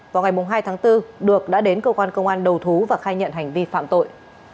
vào ngày hai tháng bốn được đã đến cơ quan công an đầu thú và khai nhận hành vi phạm tội